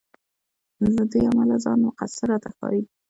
له دې امله ځان سخت مقصر راته ښکاري.